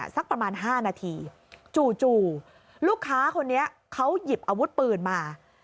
สักประมาณ๕นาทีจู่ลูกค้าคนนี้เขาหยิบอาวุธปืนมา